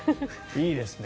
いいですね。